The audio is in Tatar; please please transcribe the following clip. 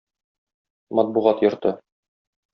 Матбугат йорты.